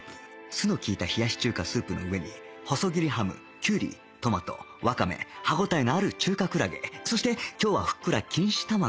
酢の利いた冷やし中華スープの上に細切りハムきゅうりトマトワカメ歯応えのある中華クラゲそして今日はふっくら錦糸卵